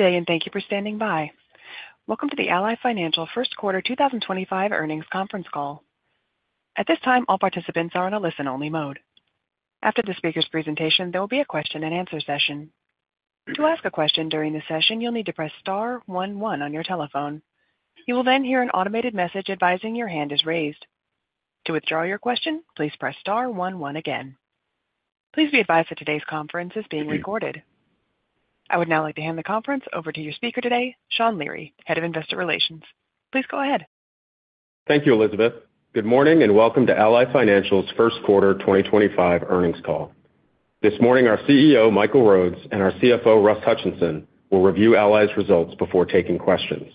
Good day, and thank you for standing by. Welcome to the Ally Financial First Quarter 2025 earnings conference call. At this time, all participants are in a listen-only mode. After the speaker's presentation, there will be a question-and-answer session. To ask a question during the session, you'll need to press star 11 on your telephone. You will then hear an automated message advising your hand is raised. To withdraw your question, please press star 11 again. Please be advised that today's conference is being recorded. I would now like to hand the conference over to your speaker today, Sean Leary, Head of Investor Relations. Please go ahead. Thank you, Elizabeth. Good morning and welcome to Ally Financial's First Quarter 2025 earnings call. This morning, our CEO, Michael Rhodes, and our CFO, Russ Hutchinson, will review Ally's results before taking questions.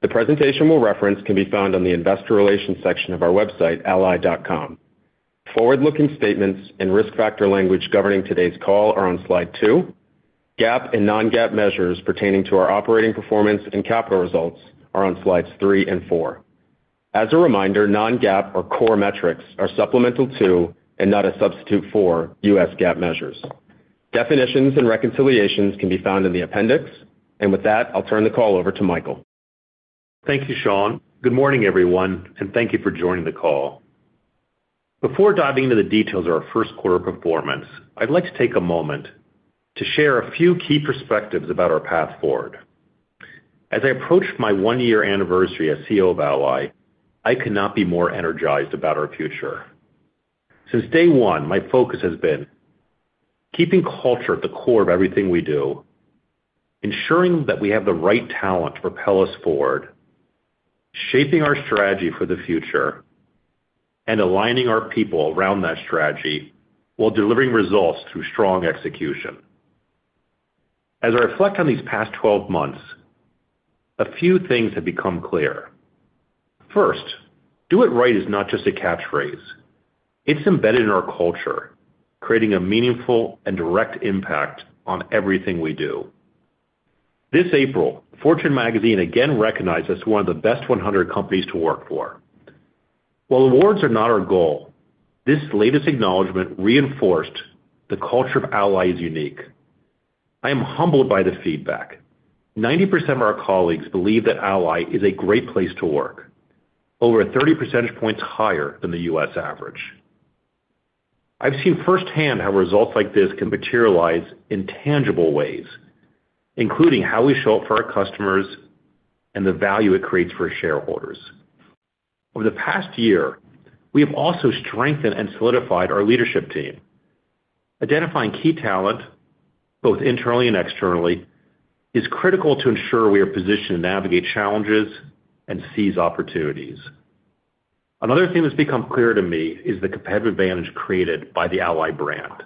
The presentation we'll reference can be found on the Investor Relations section of our website, ally.com. Forward-looking statements and risk factor language governing today's call are on slide two. GAAP and non-GAAP measures pertaining to our operating performance and capital results are on slides three and four. As a reminder, non-GAAP or core metrics are supplemental to and not a substitute for U.S. GAAP measures. Definitions and reconciliations can be found in the appendix, and with that, I'll turn the call over to Michael. Thank you, Sean. Good morning, everyone, and thank you for joining the call. Before diving into the details of our first quarter performance, I'd like to take a moment to share a few key perspectives about our path forward. As I approach my one-year anniversary as CEO of Ally, I could not be more energized about our future. Since day one, my focus has been keeping culture at the core of everything we do, ensuring that we have the right talent to propel us forward, shaping our strategy for the future, and aligning our people around that strategy while delivering results through strong execution. As I reflect on these past 12 months, a few things have become clear. First, do it right is not just a catchphrase. It's embedded in our culture, creating a meaningful and direct impact on everything we do. This April, Fortune Magazine again recognized us as one of the best 100 companies to work for. While awards are not our goal, this latest acknowledgment reinforced the culture of Ally is unique. I am humbled by the feedback. 90% of our colleagues believe that Ally is a great place to work, over 30% points higher than the U.S. average. I've seen firsthand how results like this can materialize in tangible ways, including how we show up for our customers and the value it creates for shareholders. Over the past year, we have also strengthened and solidified our leadership team. Identifying key talent, both internally and externally, is critical to ensure we are positioned to navigate challenges and seize opportunities. Another thing that's become clear to me is the competitive advantage created by the Ally brand.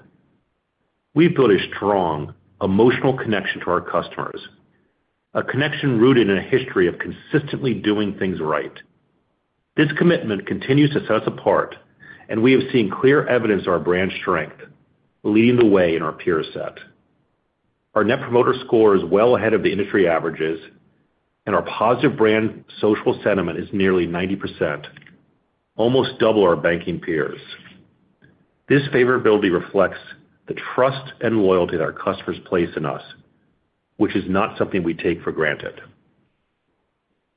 We've built a strong emotional connection to our customers, a connection rooted in a history of consistently doing things right. This commitment continues to set us apart, and we have seen clear evidence of our brand strength leading the way in our peer set. Our net promoter score is well ahead of the industry averages, and our positive brand social sentiment is nearly 90%, almost double our banking peers. This favorability reflects the trust and loyalty that our customers place in us, which is not something we take for granted.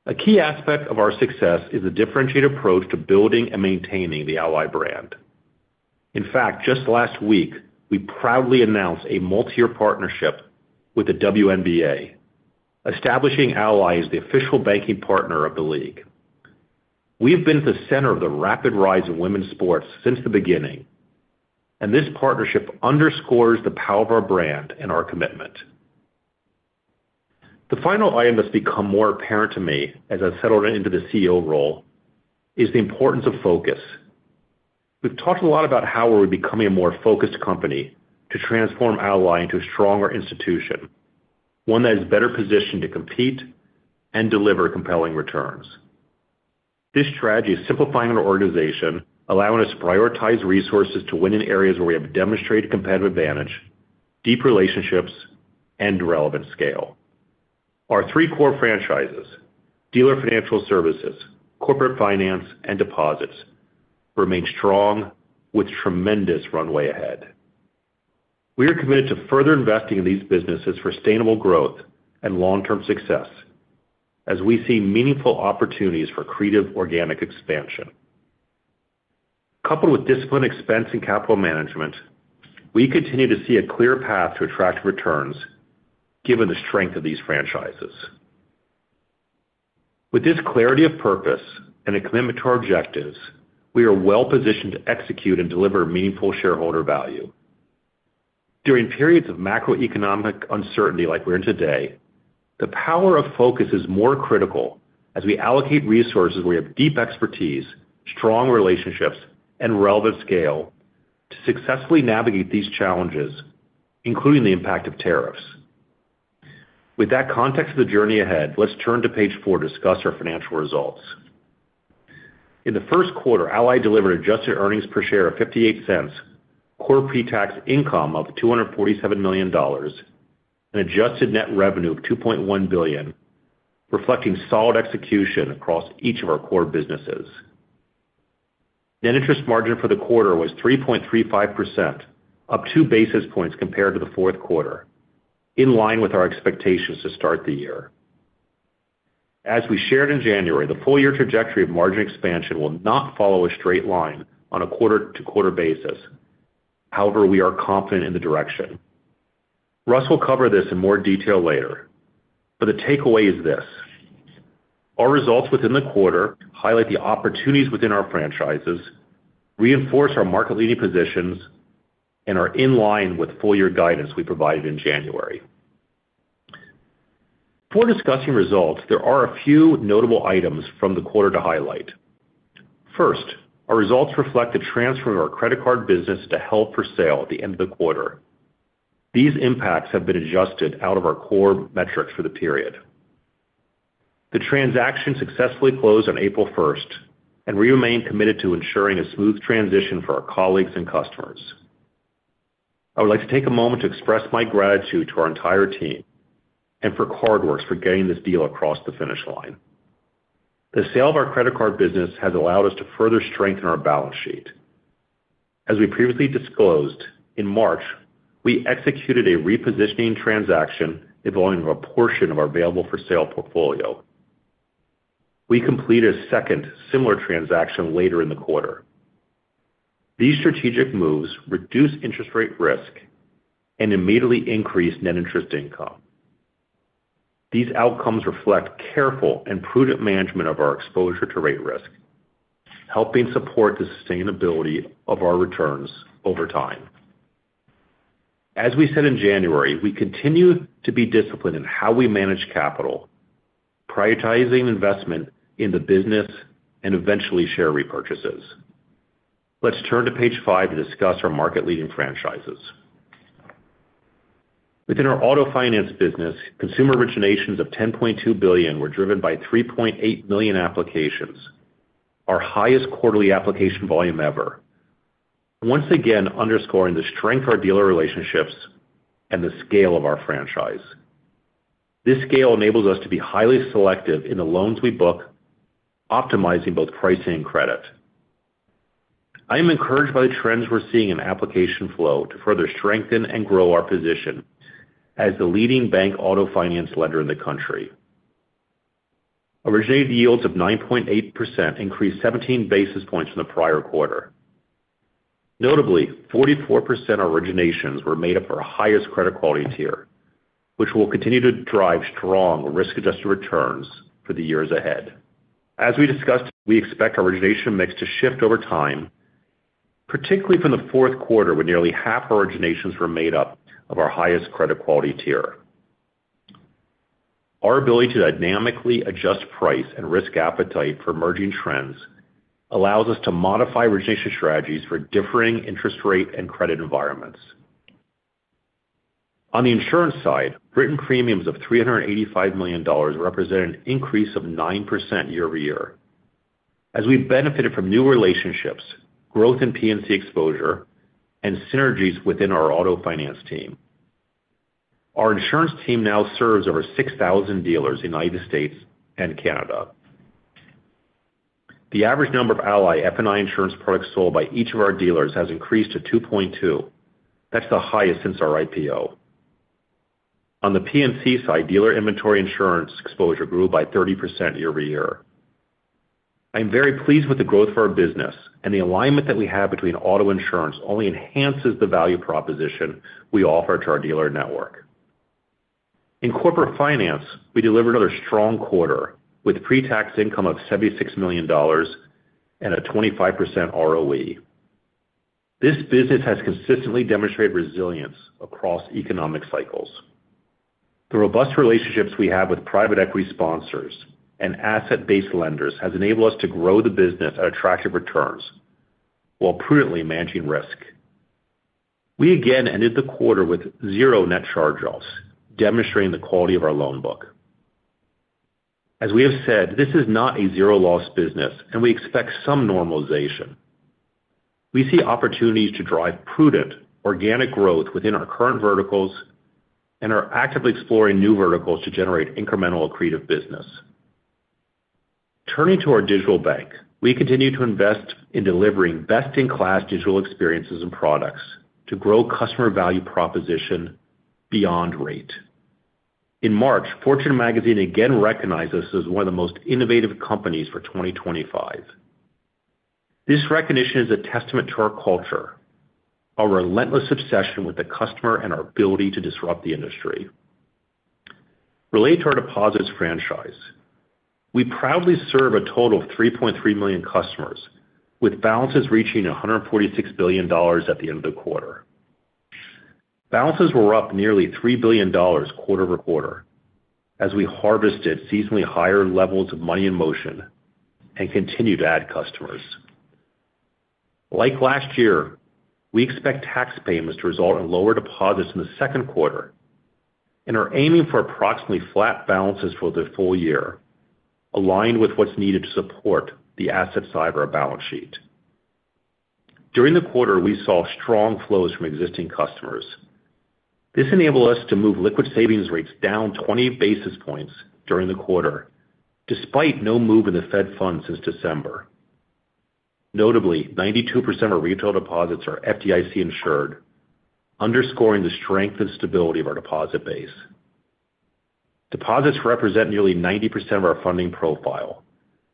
A key aspect of our success is the differentiated approach to building and maintaining the Ally brand. In fact, just last week, we proudly announced a multi-year partnership with the WNBA, establishing Ally as the official banking partner of the league. We have been at the center of the rapid rise of women's sports since the beginning, and this partnership underscores the power of our brand and our commitment. The final item that's become more apparent to me as I've settled into the CEO role is the importance of focus. We've talked a lot about how we're becoming a more focused company to transform Ally into a stronger institution, one that is better positioned to compete and deliver compelling returns. This strategy is simplifying our organization, allowing us to prioritize resources to win in areas where we have demonstrated competitive advantage, deep relationships, and relevant scale. Our three core franchises, dealer financial services, corporate finance, and deposits, remain strong with tremendous runway ahead. We are committed to further investing in these businesses for sustainable growth and long-term success as we see meaningful opportunities for creative organic expansion. Coupled with disciplined expense and capital management, we continue to see a clear path to attractive returns given the strength of these franchises. With this clarity of purpose and a commitment to our objectives, we are well-positioned to execute and deliver meaningful shareholder value. During periods of macroeconomic uncertainty like we're in today, the power of focus is more critical as we allocate resources where we have deep expertise, strong relationships, and relevant scale to successfully navigate these challenges, including the impact of tariffs. With that context of the journey ahead, let's turn to page four to discuss our financial results. In the first quarter, Ally delivered adjusted earnings per share of $0.58, core pre-tax income of $247 million, and adjusted net revenue of $2.1 billion, reflecting solid execution across each of our core businesses. Net interest margin for the quarter was 3.35%, up two basis points compared to the fourth quarter, in line with our expectations to start the year. As we shared in January, the full-year trajectory of margin expansion will not follow a straight line on a quarter-to-quarter basis. However, we are confident in the direction. Russ will cover this in more detail later, but the takeaway is this: our results within the quarter highlight the opportunities within our franchises, reinforce our market-leading positions, and are in line with full-year guidance we provided in January. Before discussing results, there are a few notable items from the quarter to highlight. First, our results reflect the transfer of our credit card business to held-for-sale at the end of the quarter. These impacts have been adjusted out of our core metrics for the period. The transaction successfully closed on April 1st and we remain committed to ensuring a smooth transition for our colleagues and customers. I would like to take a moment to express my gratitude to our entire team and for CardWorks for getting this deal across the finish line. The sale of our credit card business has allowed us to further strengthen our balance sheet. As we previously disclosed, in March, we executed a repositioning transaction involving a portion of our available-for-sale portfolio. We completed a second similar transaction later in the quarter. These strategic moves reduced interest rate risk and immediately increased net interest income. These outcomes reflect careful and prudent management of our exposure to rate risk, helping support the sustainability of our returns over time. As we said in January, we continue to be disciplined in how we manage capital, prioritizing investment in the business and eventually share repurchases. Let's turn to page five to discuss our market-leading franchises. Within our auto finance business, consumer originations of $10.2 billion were driven by 3.8 million applications, our highest quarterly application volume ever, once again underscoring the strength of our dealer relationships and the scale of our franchise. This scale enables us to be highly selective in the loans we book, optimizing both pricing and credit. I am encouraged by the trends we're seeing in application flow to further strengthen and grow our position as the leading bank auto finance lender in the country. Originating yields of 9.8% increased 17 basis points from the prior quarter. Notably, 44% of originations were made up of our highest credit quality tier, which will continue to drive strong risk-adjusted returns for the years ahead. As we discussed, we expect our origination mix to shift over time, particularly from the fourth quarter, when nearly half our originations were made up of our highest credit quality tier. Our ability to dynamically adjust price and risk appetite for emerging trends allows us to modify origination strategies for differing interest rate and credit environments. On the insurance side, written premiums of $385 million represent an increase of 9% year-over-year. As we've benefited from new relationships, growth in P&C exposure, and synergies within our auto finance team, our insurance team now serves over 6,000 dealers in the United States and Canada. The average number of Ally F&I insurance products sold by each of our dealers has increased to 2.2. That's the highest since our IPO. On the P&C side, dealer inventory insurance exposure grew by 30% year-over-year. I'm very pleased with the growth for our business, and the alignment that we have between auto insurance only enhances the value proposition we offer to our dealer network. In corporate finance, we delivered another strong quarter with pre-tax income of $76 million and a 25% ROE. This business has consistently demonstrated resilience across economic cycles. The robust relationships we have with private equity sponsors and asset-based lenders have enabled us to grow the business at attractive returns while prudently managing risk. We again ended the quarter with zero net charge-offs, demonstrating the quality of our loan book. As we have said, this is not a zero-loss business, and we expect some normalization. We see opportunities to drive prudent, organic growth within our current verticals and are actively exploring new verticals to generate incremental accretive business. Turning to our digital bank, we continue to invest in delivering best-in-class digital experiences and products to grow customer value proposition beyond rate. In March, Fortune Magazine again recognized us as one of the most innovative companies for 2024. This recognition is a testament to our culture, our relentless obsession with the customer, and our ability to disrupt the industry. Related to our deposits franchise, we proudly serve a total of 3.3 million customers, with balances reaching $146 billion at the end of the quarter. Balances were up nearly $3 billion quarter-over-quarter as we harvested seasonally higher levels of money in motion and continued to add customers. Like last year, we expect tax payments to result in lower deposits in the second quarter and are aiming for approximately flat balances for the full year, aligned with what is needed to support the asset side of our balance sheet. During the quarter, we saw strong flows from existing customers. This enabled us to move liquid savings rates down 20 basis points during the quarter, despite no move in the Fed funds since December. Notably, 92% of our retail deposits are FDIC insured, underscoring the strength and stability of our deposit base. Deposits represent nearly 90% of our funding profile,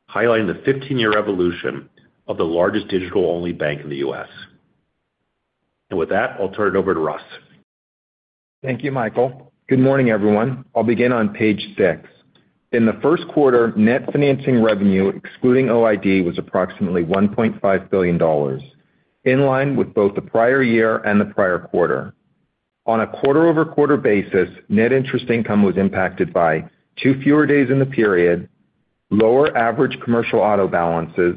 highlighting the 15-year evolution of the largest digital-only bank in the U.S. With that, I'll turn it over to Russ. Thank you, Michael. Good morning, everyone. I'll begin on page six. In the first quarter, net financing revenue, excluding OID, was approximately $1.5 billion, in line with both the prior year and the prior quarter. On a quarter-over-quarter basis, net interest income was impacted by two fewer days in the period, lower average commercial auto balances,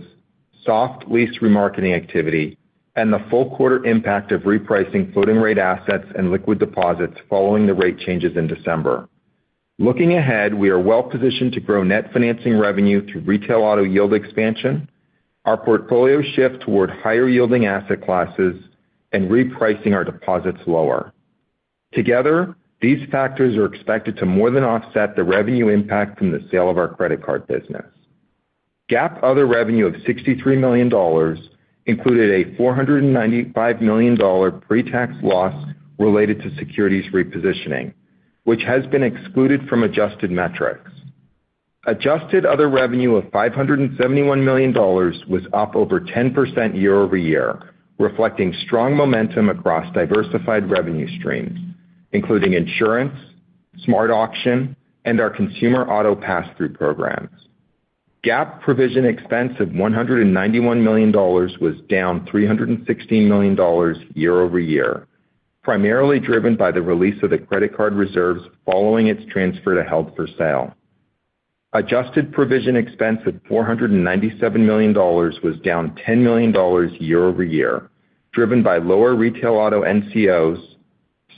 soft lease remarketing activity, and the full quarter impact of repricing floating rate assets and liquid deposits following the rate changes in December. Looking ahead, we are well-positioned to grow net financing revenue through retail auto yield expansion, our portfolio shift toward higher-yielding asset classes, and repricing our deposits lower. Together, these factors are expected to more than offset the revenue impact from the sale of our credit card business. GAAP other revenue of $63 million included a $495 million pre-tax loss related to securities repositioning, which has been excluded from adjusted metrics. Adjusted other revenue of $571 million was up over 10% year over year, reflecting strong momentum across diversified revenue streams, including insurance, SmartAuction, and our consumer auto pass-through programs. GAAP provision expense of $191 million was down $316 million year over year, primarily driven by the release of the credit card reserves following its transfer to held for sale. Adjusted provision expense of $497 million was down $10 million year over year, driven by lower retail auto NCOs,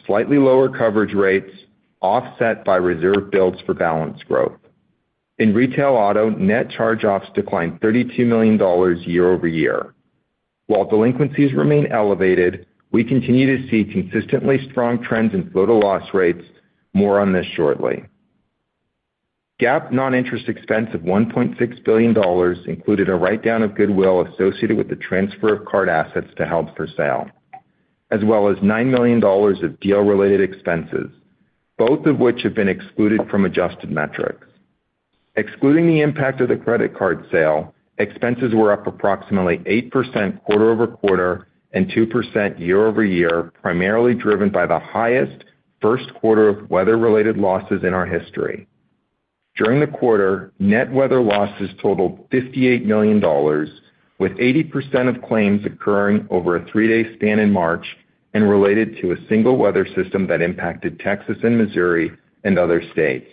slightly lower coverage rates, offset by reserve builds for balance growth. In retail auto, net charge-offs declined $32 million year over year. While delinquencies remain elevated, we continue to see consistently strong trends in float-to-loss rates. More on this shortly. GAAP non-interest expense of $1.6 billion included a write-down of goodwill associated with the transfer of card assets to held for sale, as well as $9 million of deal-related expenses, both of which have been excluded from adjusted metrics. Excluding the impact of the credit card sale, expenses were up approximately 8% quarter over quarter and 2% year-over-year, primarily driven by the highest first quarter of weather-related losses in our history. During the quarter, net weather losses totaled $58 million, with 80% of claims occurring over a three-day span in March and related to a single weather system that impacted Texas and Missouri and other states.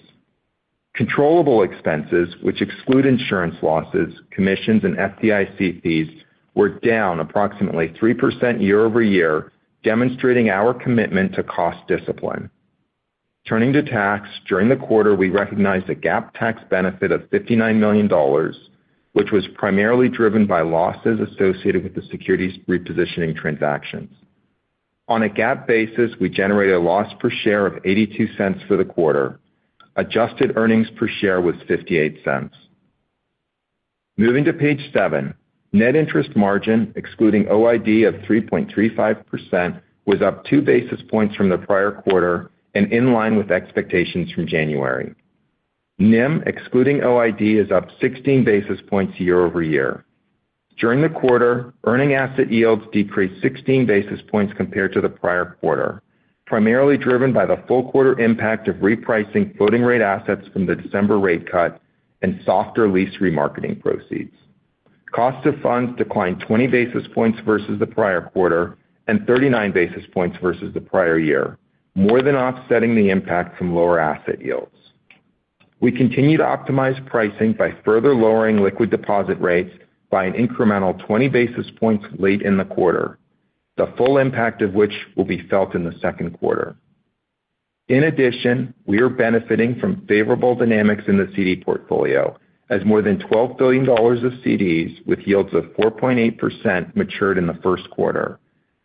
Controllable expenses, which exclude insurance losses, commissions, and FDIC fees, were down approximately 3% year-over-year, demonstrating our commitment to cost discipline. Turning to tax, during the quarter, we recognized a GAAP tax benefit of $59 million, which was primarily driven by losses associated with the securities repositioning transactions. On a GAAP basis, we generated a loss per share of $0.82 for the quarter. Adjusted earnings per share was $0.58. Moving to page seven, net interest margin, excluding OID, of 3.35% was up two basis points from the prior quarter and in line with expectations from January. NIM, excluding OID, is up 16 basis points year-over-year. During the quarter, earning asset yields decreased 16 basis points compared to the prior quarter, primarily driven by the full quarter impact of repricing floating rate assets from the December rate cut and softer lease remarketing proceeds. Cost of funds declined 20 basis points versus the prior quarter and 39 basis points versus the prior year, more than offsetting the impact from lower asset yields. We continue to optimize pricing by further lowering liquid deposit rates by an incremental 20 basis points late in the quarter, the full impact of which will be felt in the second quarter. In addition, we are benefiting from favorable dynamics in the CD portfolio, as more than $12 billion of CDs with yields of 4.8% matured in the first quarter,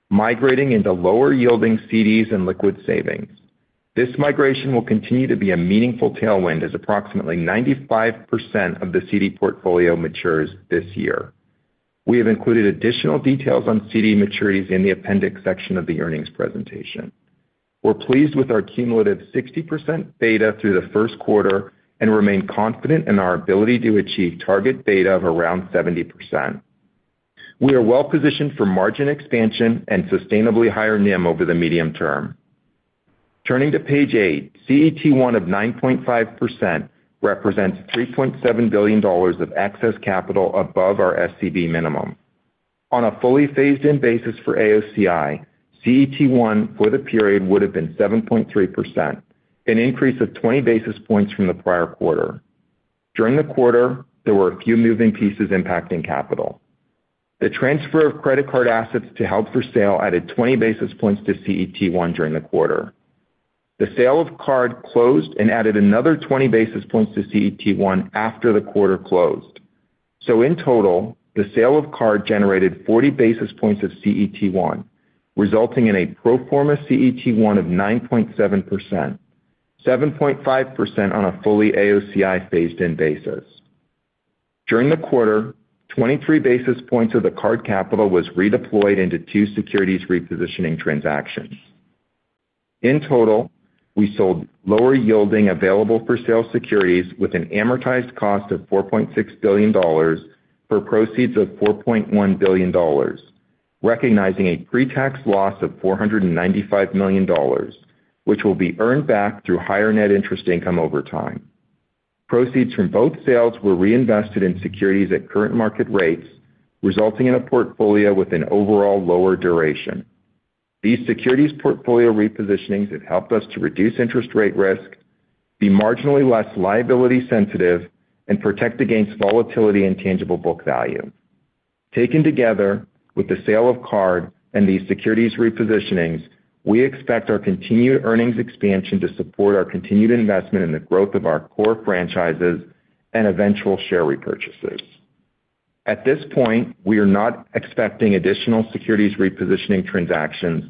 migrating into lower-yielding CDs and liquid savings. This migration will continue to be a meaningful tailwind as approximately 95% of the CD portfolio matures this year. We have included additional details on CD maturities in the appendix section of the earnings presentation. We're pleased with our cumulative 60% beta through the first quarter and remain confident in our ability to achieve target beta of around 70%. We are well-positioned for margin expansion and sustainably higher NIM over the medium term. Turning to page eight, CET1 of 9.5% represents $3.7 billion of excess capital above our SCB minimum. On a fully phased-in basis for AOCI, CET1 for the period would have been 7.3%, an increase of 20 basis points from the prior quarter. During the quarter, there were a few moving pieces impacting capital. The transfer of credit card assets to held-for-sale added 20 basis points to CET1 during the quarter. The sale of card closed and added another 20 basis points to CET1 after the quarter closed. In total, the sale of card generated 40 basis points of CET1, resulting in a pro forma CET1 of 9.7%, 7.5% on a fully AOCI phased-in basis. During the quarter, 23 basis points of the card capital was redeployed into two securities repositioning transactions. In total, we sold lower-yielding available-for-sale securities with an amortized cost of $4.6 billion for proceeds of $4.1 billion, recognizing a pre-tax loss of $495 million, which will be earned back through higher net interest income over time. Proceeds from both sales were reinvested in securities at current market rates, resulting in a portfolio with an overall lower duration. These securities portfolio repositionings have helped us to reduce interest rate risk, be marginally less liability sensitive, and protect against volatility and tangible book value. Taken together with the sale of card and these securities repositionings, we expect our continued earnings expansion to support our continued investment in the growth of our core franchises and eventual share repurchases. At this point, we are not expecting additional securities repositioning transactions.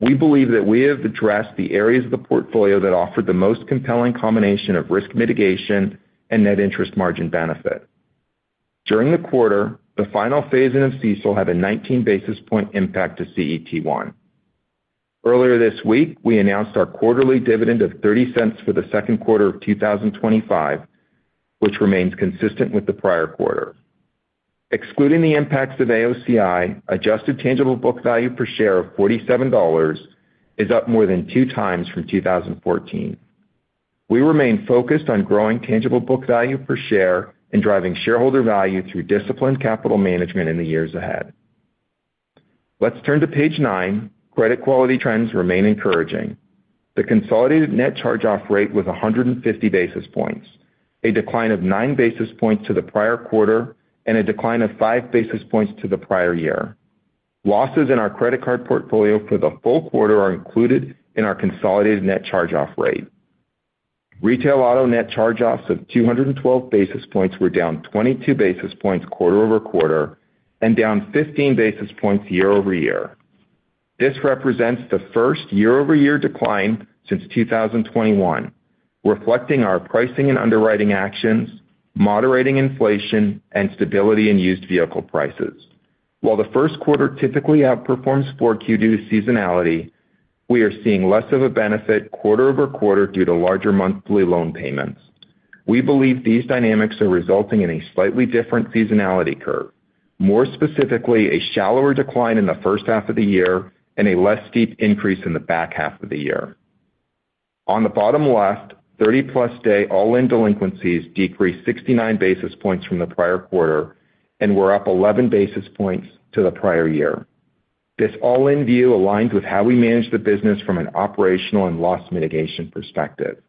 We believe that we have addressed the areas of the portfolio that offered the most compelling combination of risk mitigation and net interest margin benefit. During the quarter, the final phase-in of CESOL had a 19 basis point impact to CET1. Earlier this week, we announced our quarterly dividend of $0.30 for the second quarter of 2025, which remains consistent with the prior quarter. Excluding the impacts of AOCI, adjusted tangible book value per share of $47 is up more than two times from 2014. We remain focused on growing tangible book value per share and driving shareholder value through disciplined capital management in the years ahead. Let's turn to page nine. Credit quality trends remain encouraging. The consolidated net charge-off rate was 150 basis points, a decline of 9 basis points to the prior quarter, and a decline of 5 basis points to the prior year. Losses in our credit card portfolio for the full quarter are included in our consolidated net charge-off rate. Retail auto net charge-offs of 212 basis points were down 22 basis points quarter over quarter and down 15 basis points year over year. This represents the first year-over-year decline since 2021, reflecting our pricing and underwriting actions, moderating inflation, and stability in used vehicle prices. While the first quarter typically outperforms fourth quarter due to seasonality, we are seeing less of a benefit quarter over quarter due to larger monthly loan payments. We believe these dynamics are resulting in a slightly different seasonality curve, more specifically a shallower decline in the first half of the year and a less steep increase in the back half of the year. On the bottom left, 30-plus-day all-in delinquencies decreased 69 basis points from the prior quarter and were up 11 basis points to the prior year. This all-in view aligns with how we manage the business from an operational and loss mitigation perspective.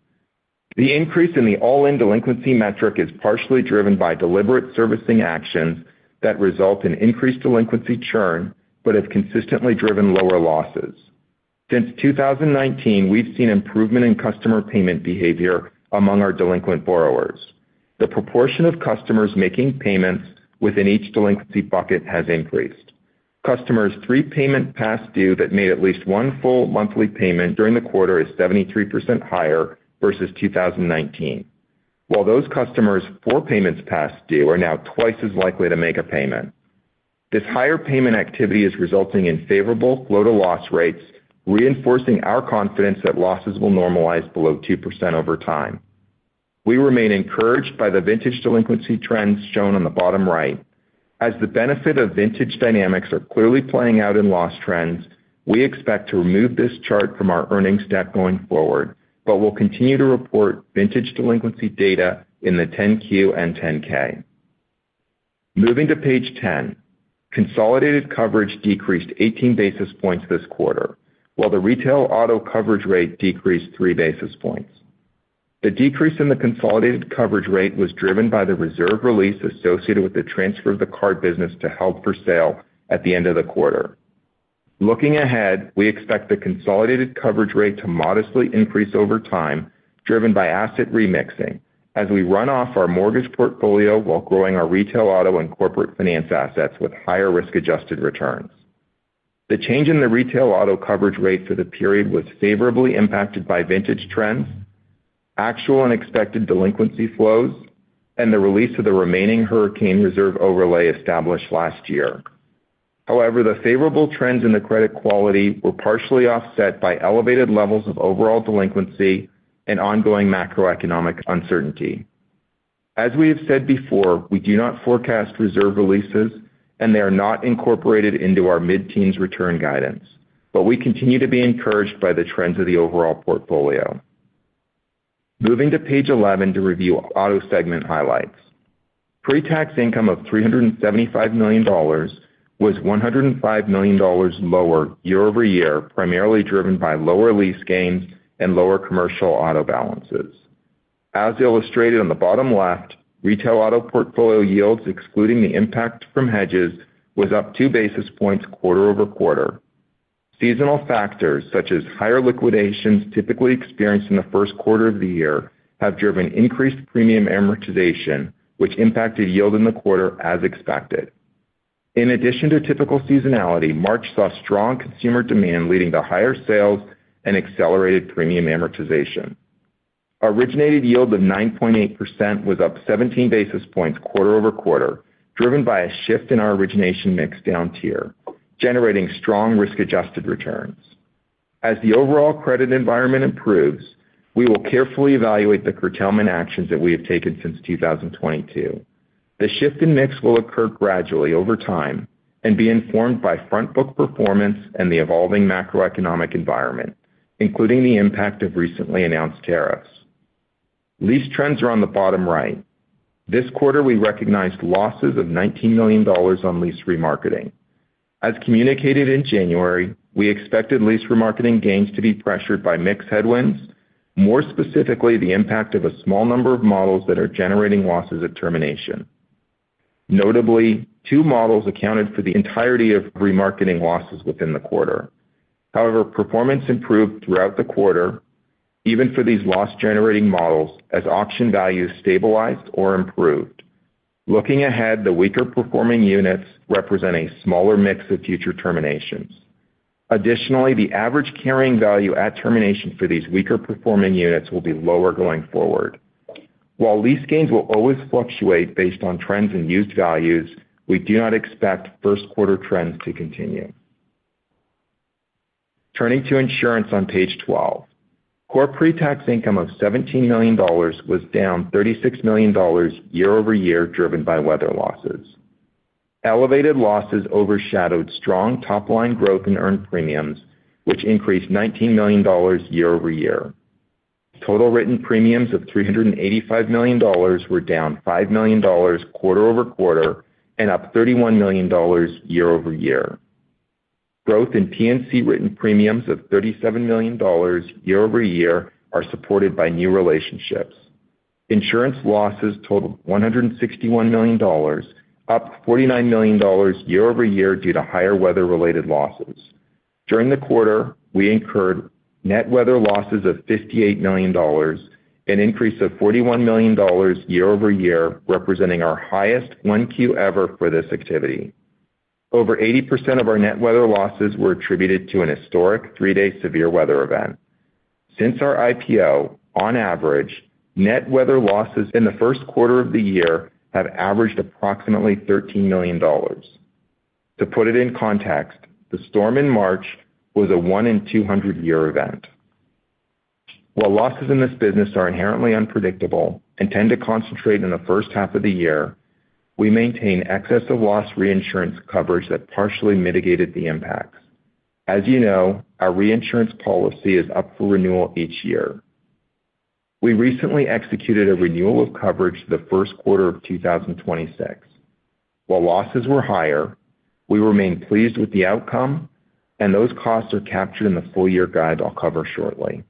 The increase in the all-in delinquency metric is partially driven by deliberate servicing actions that result in increased delinquency churn but have consistently driven lower losses. Since 2019, we've seen improvement in customer payment behavior among our delinquent borrowers. The proportion of customers making payments within each delinquency bucket has increased. Customers three payments past due that made at least one full monthly payment during the quarter is 73% higher versus 2019, while those customers four payments past due are now twice as likely to make a payment. This higher payment activity is resulting in favorable float-to-loss rates, reinforcing our confidence that losses will normalize below 2% over time. We remain encouraged by the vintage delinquency trends shown on the bottom right. As the benefit of vintage dynamics are clearly playing out in loss trends, we expect to remove this chart from our earnings deck going forward, but will continue to report vintage delinquency data in the 10-Q and 10-K. Moving to page 10, consolidated coverage decreased 18 basis points this quarter, while the retail auto coverage rate decreased 3 basis points. The decrease in the consolidated coverage rate was driven by the reserve release associated with the transfer of the card business to held for sale at the end of the quarter. Looking ahead, we expect the consolidated coverage rate to modestly increase over time, driven by asset remixing, as we run off our mortgage portfolio while growing our retail auto and corporate finance assets with higher risk-adjusted returns. The change in the retail auto coverage rate for the period was favorably impacted by vintage trends, actual and expected delinquency flows, and the release of the remaining hurricane reserve overlay established last year. However, the favorable trends in the credit quality were partially offset by elevated levels of overall delinquency and ongoing macroeconomic uncertainty. As we have said before, we do not forecast reserve releases, and they are not incorporated into our mid-teens return guidance, but we continue to be encouraged by the trends of the overall portfolio. Moving to page 11 to review auto segment highlights. Pre-tax income of $375 million was $105 million lower year over year, primarily driven by lower lease gains and lower commercial auto balances. As illustrated on the bottom left, retail auto portfolio yields, excluding the impact from hedges, was up two basis points quarter over quarter. Seasonal factors, such as higher liquidations typically experienced in the first quarter of the year, have driven increased premium amortization, which impacted yield in the quarter as expected. In addition to typical seasonality, March saw strong consumer demand leading to higher sales and accelerated premium amortization. Originated yield of 9.8% was up 17 basis points quarter over quarter, driven by a shift in our origination mix down tier, generating strong risk-adjusted returns. As the overall credit environment improves, we will carefully evaluate the curtailment actions that we have taken since 2022. The shift in mix will occur gradually over time and be informed by front-book performance and the evolving macroeconomic environment, including the impact of recently announced tariffs. Lease trends are on the bottom right. This quarter, we recognized losses of $19 million on lease remarketing. As communicated in January, we expected lease remarketing gains to be pressured by mixed headwinds, more specifically the impact of a small number of models that are generating losses at termination. Notably, two models accounted for the entirety of remarketing losses within the quarter. However, performance improved throughout the quarter, even for these loss-generating models, as auction values stabilized or improved. Looking ahead, the weaker-performing units represent a smaller mix of future terminations. Additionally, the average carrying value at termination for these weaker-performing units will be lower going forward. While lease gains will always fluctuate based on trends in used values, we do not expect first-quarter trends to continue. Turning to insurance on page 12, core pre-tax income of $17 million was down $36 million year over year, driven by weather losses. Elevated losses overshadowed strong top-line growth in earned premiums, which increased $19 million year over year. Total written premiums of $385 million were down $5 million quarter over quarter and up $31 million year over year. Growth in P&C written premiums of $37 million year over year are supported by new relationships. Insurance losses totaled $161 million, up $49 million year over year due to higher weather-related losses. During the quarter, we incurred net weather losses of $58 million, an increase of $41 million year over year, representing our highest one-quarter ever for this activity. Over 80% of our net weather losses were attributed to an historic three-day severe weather event. Since our IPO, on average, net weather losses in the first quarter of the year have averaged approximately $13 million. To put it in context, the storm in March was a one-in-200-year event. While losses in this business are inherently unpredictable and tend to concentrate in the first half of the year, we maintain excessive loss reinsurance coverage that partially mitigated the impacts. As you know, our reinsurance policy is up for renewal each year. We recently executed a renewal of coverage the first quarter of 2026. While losses were higher, we remain pleased with the outcome, and those costs are captured in the full-year guide I'll cover shortly.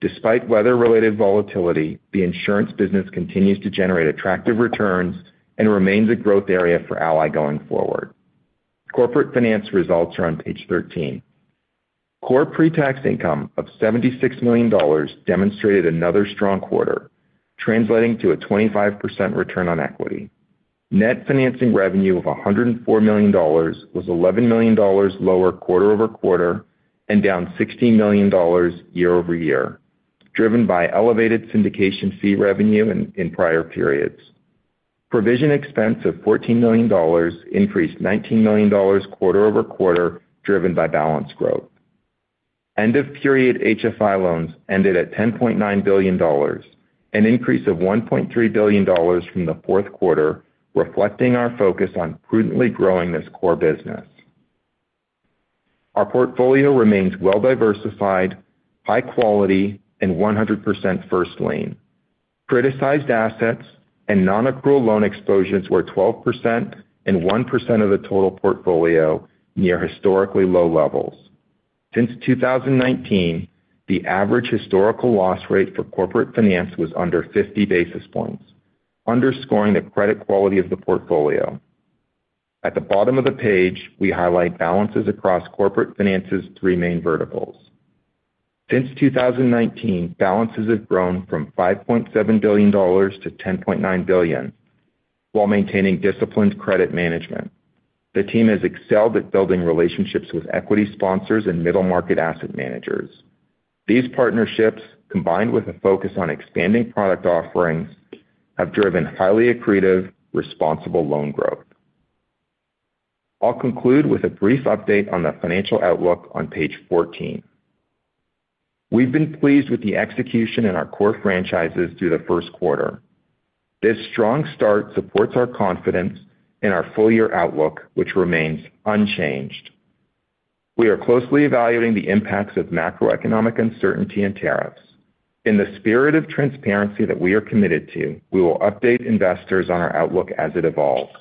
Despite weather-related volatility, the insurance business continues to generate attractive returns and remains a growth area for Ally going forward. Corporate finance results are on page 13. Core pre-tax income of $76 million demonstrated another strong quarter, translating to a 25% return on equity. Net financing revenue of $104 million was $11 million lower quarter over quarter and down $16 million year over year, driven by elevated syndication fee revenue in prior periods. Provision expense of $14 million increased $19 million quarter over quarter, driven by balance growth. End-of-period HFI loans ended at $10.9 billion, an increase of $1.3 billion from the fourth quarter, reflecting our focus on prudently growing this core business. Our portfolio remains well-diversified, high-quality, and 100% first-lien. Criticized assets and non-accrual loan exposures were 12% and 1% of the total portfolio, near historically low levels. Since 2019, the average historical loss rate for corporate finance was under 50 basis points, underscoring the credit quality of the portfolio. At the bottom of the page, we highlight balances across corporate finance's three main verticals. Since 2019, balances have grown from $5.7 billion to $10.9 billion, while maintaining disciplined credit management. The team has excelled at building relationships with equity sponsors and middle-market asset managers. These partnerships, combined with a focus on expanding product offerings, have driven highly accretive, responsible loan growth. I'll conclude with a brief update on the financial outlook on page 14. We've been pleased with the execution in our core franchises through the first quarter. This strong start supports our confidence in our full-year outlook, which remains unchanged. We are closely evaluating the impacts of macroeconomic uncertainty and tariffs. In the spirit of transparency that we are committed to, we will update investors on our outlook as it evolves.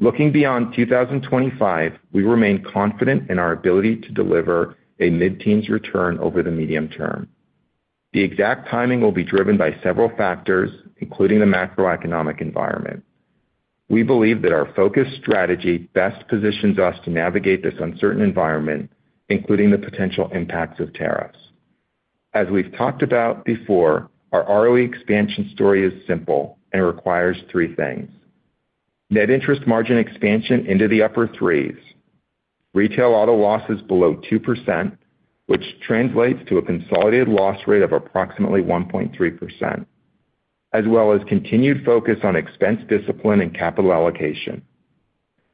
Looking beyond 2025, we remain confident in our ability to deliver a mid-teens return over the medium term. The exact timing will be driven by several factors, including the macroeconomic environment. We believe that our focused strategy best positions us to navigate this uncertain environment, including the potential impacts of tariffs. As we've talked about before, our ROE expansion story is simple and requires three things: net interest margin expansion into the upper threes, retail auto losses below 2%, which translates to a consolidated loss rate of approximately 1.3%, as well as continued focus on expense discipline and capital allocation.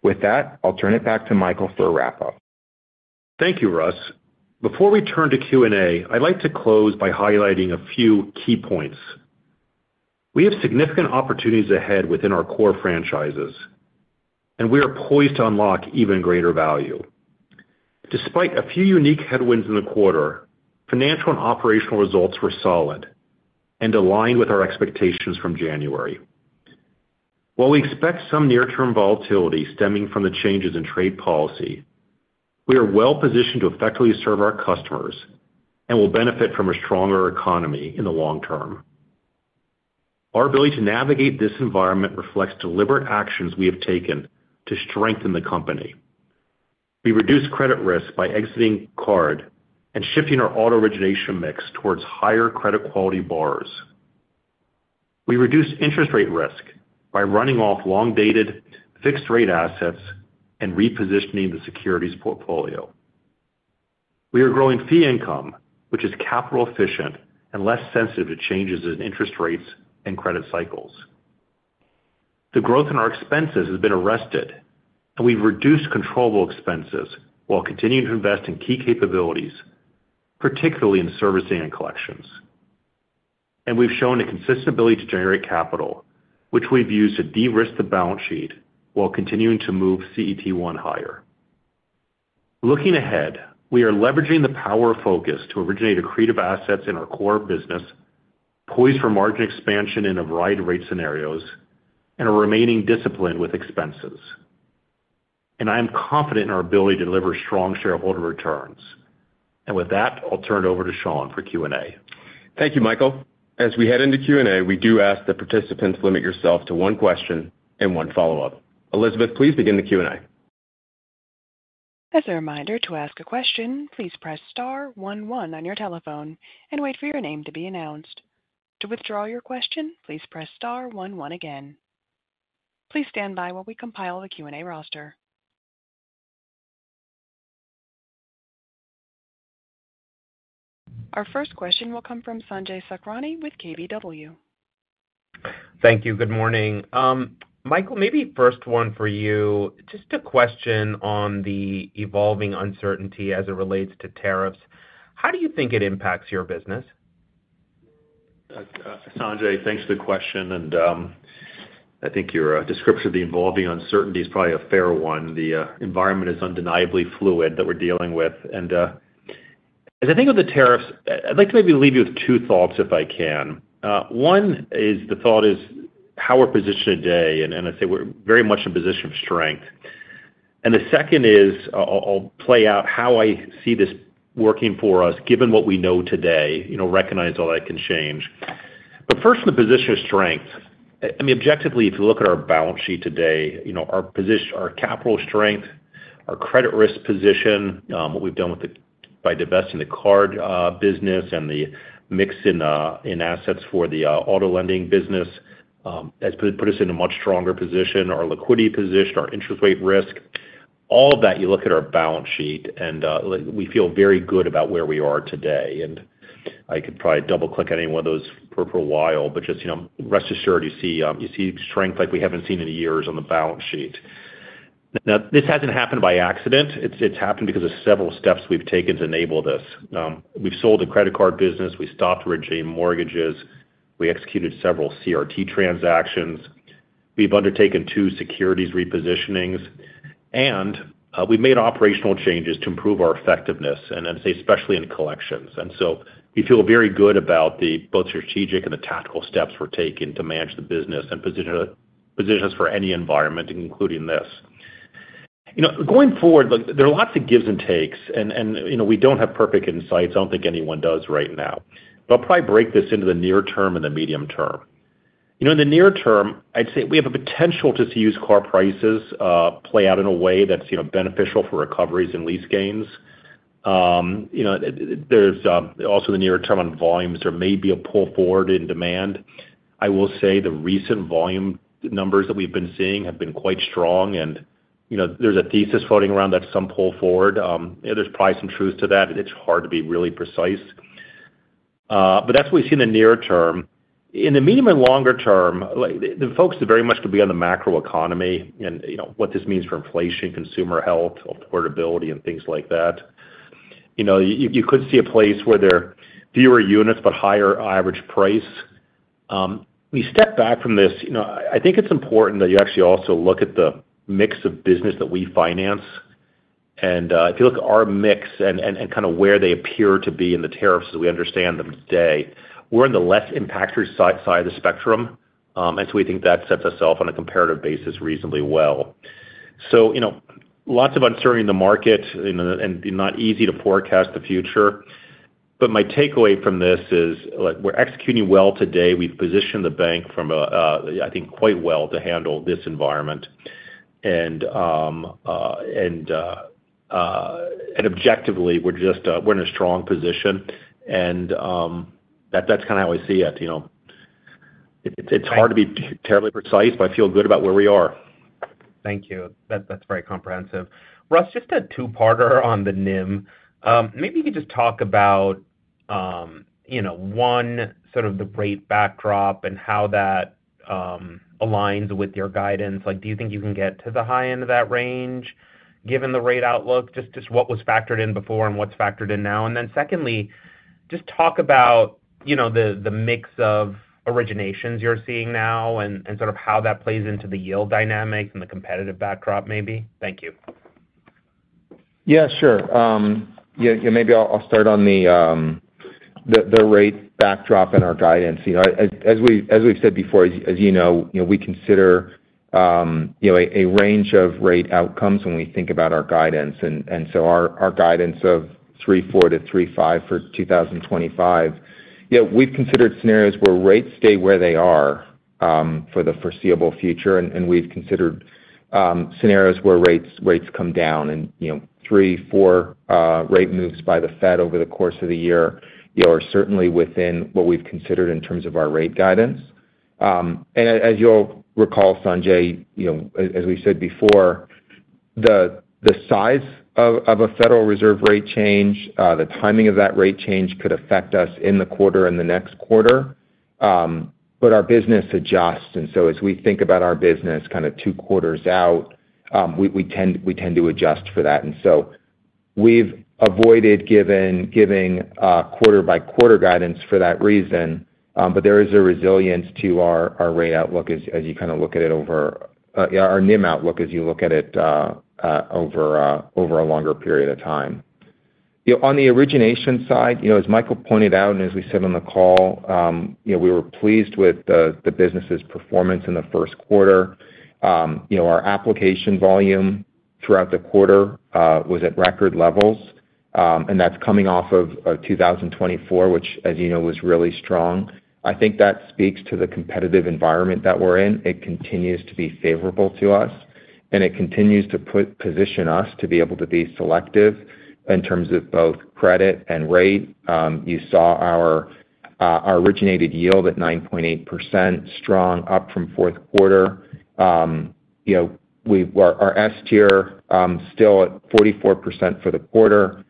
With that, I'll turn it back to Michael for a wrap-up. Thank you, Russ. Before we turn to Q&A, I'd like to close by highlighting a few key points. We have significant opportunities ahead within our core franchises, and we are poised to unlock even greater value. Despite a few unique headwinds in the quarter, financial and operational results were solid and aligned with our expectations from January. While we expect some near-term volatility stemming from the changes in trade policy, we are well-positioned to effectively serve our customers and will benefit from a stronger economy in the long term. Our ability to navigate this environment reflects deliberate actions we have taken to strengthen the company. We reduced credit risk by exiting card and shifting our auto origination mix towards higher credit quality bars. We reduced interest rate risk by running off long-dated fixed-rate assets and repositioning the securities portfolio. We are growing fee income, which is capital-efficient and less sensitive to changes in interest rates and credit cycles. The growth in our expenses has been arrested, and we've reduced controllable expenses while continuing to invest in key capabilities, particularly in servicing and collections. We've shown a consistent ability to generate capital, which we've used to de-risk the balance sheet while continuing to move CET1 higher. Looking ahead, we are leveraging the power of focus to originate accretive assets in our core business, poised for margin expansion in a variety of rate scenarios, and remaining disciplined with expenses. I am confident in our ability to deliver strong shareholder returns. With that, I'll turn it over to Sean for Q&A. Thank you, Michael. As we head into Q&A, we do ask the participants to limit yourself to one question and one follow-up. Elizabeth, please begin the Q&A. As a reminder, to ask a question, please press star 11 on your telephone and wait for your name to be announced. To withdraw your question, please press star 11 again. Please stand by while we compile the Q&A roster. Our first question will come from Sanjay Sakhrani with KBW. Thank you. Good morning. Michael, maybe first one for you. Just a question on the evolving uncertainty as it relates to tariffs. How do you think it impacts your business? Sanjay, thanks for the question. I think your description of the evolving uncertainty is probably a fair one. The environment is undeniably fluid that we're dealing with. As I think of the tariffs, I'd like to maybe leave you with two thoughts, if I can. One is the thought is how we're positioned today. I say we're very much in a position of strength. The second is I'll play out how I see this working for us, given what we know today, recognize all that can change. First, in the position of strength, I mean, objectively, if you look at our balance sheet today, our capital strength, our credit risk position, what we've done by divesting the card business and the mix in assets for the auto lending business has put us in a much stronger position, our liquidity position, our interest rate risk. All of that, you look at our balance sheet, and we feel very good about where we are today. I could probably double-click on any one of those for a while, but just rest assured you see strength like we have not seen in years on the balance sheet. This has not happened by accident. It has happened because of several steps we have taken to enable this. We have sold the credit card business. We stopped redeeming mortgages. We executed several CRT transactions. We have undertaken two securities repositionings. We have made operational changes to improve our effectiveness, and I would say especially in collections. We feel very good about both strategic and tactical steps we are taking to manage the business and position us for any environment, including this. Going forward, there are lots of gives and takes, and we do not have perfect insights. I do not think anyone does right now. I will probably break this into the near term and the medium term. In the near term, I'd say we have a potential to see used car prices play out in a way that's beneficial for recoveries and lease gains. There's also the near term on volumes. There may be a pull forward in demand. I will say the recent volume numbers that we've been seeing have been quite strong. There's a thesis floating around that some pull forward. There's probably some truth to that. It's hard to be really precise. That's what we see in the near term. In the medium and longer term, the focus very much could be on the macroeconomy and what this means for inflation, consumer health, affordability, and things like that. You could see a place where there are fewer units but higher average price. When you step back from this, I think it's important that you actually also look at the mix of business that we finance. If you look at our mix and kind of where they appear to be in the tariffs as we understand them today, we're on the less impactful side of the spectrum. I think that sets us off on a comparative basis reasonably well. Lots of uncertainty in the market and not easy to forecast the future. My takeaway from this is we're executing well today. We've positioned the bank, I think, quite well to handle this environment. Objectively, we're in a strong position. That's kind of how I see it. It's hard to be terribly precise, but I feel good about where we are. Thank you. That's very comprehensive. Russ, just a two-parter on the NIM. Maybe you could just talk about, one, sort of the rate backdrop and how that aligns with your guidance. Do you think you can get to the high end of that range given the rate outlook? Just what was factored in before and what's factored in now. Secondly, just talk about the mix of originations you're seeing now and sort of how that plays into the yield dynamic and the competitive backdrop, maybe. Thank you. Yeah, sure. Maybe I'll start on the rate backdrop and our guidance. As we've said before, as you know, we consider a range of rate outcomes when we think about our guidance. Our guidance of 3.4-3.5 for 2025, we've considered scenarios where rates stay where they are for the foreseeable future. We've considered scenarios where rates come down. to four rate moves by the Fed over the course of the year are certainly within what we've considered in terms of our rate guidance. As you'll recall, Sanjay, as we said before, the size of a Federal Reserve rate change, the timing of that rate change could affect us in the quarter and the next quarter. Our business adjusts. As we think about our business kind of two quarters out, we tend to adjust for that. We have avoided giving quarter-by-quarter guidance for that reason. There is a resilience to our rate outlook as you kind of look at it over our NIM outlook as you look at it over a longer period of time. On the origination side, as Michael pointed out, and as we said on the call, we were pleased with the business's performance in the first quarter. Our application volume throughout the quarter was at record levels. That is coming off of 2024, which, as you know, was really strong. I think that speaks to the competitive environment that we are in. It continues to be favorable to us. It continues to position us to be able to be selective in terms of both credit and rate. You saw our originated yield at 9.8%, strong, up from fourth quarter. Our S-tier still at 44% for the quarter,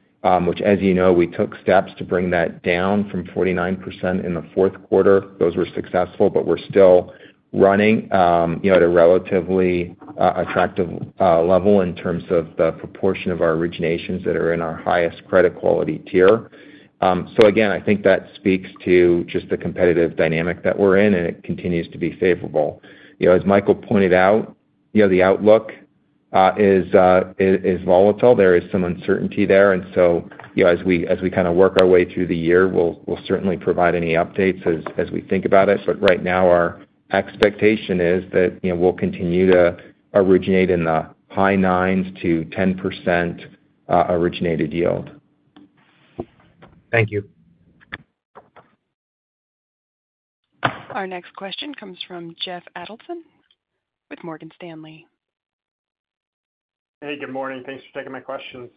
which, as you know, we took steps to bring that down from 49% in the fourth quarter. Those were successful, but we are still running at a relatively attractive level in terms of the proportion of our originations that are in our highest credit quality tier. I think that speaks to just the competitive dynamic that we are in, and it continues to be favorable. As Michael pointed out, the outlook is volatile. There is some uncertainty there. As we kind of work our way through the year, we'll certainly provide any updates as we think about it. Right now, our expectation is that we'll continue to originate in the high 9s to 10% originated yield. Thank you. Our next question comes from Jeff Adelson with Morgan Stanley. Hey, good morning. Thanks for taking my questions.